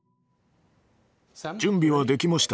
準備はできましたか？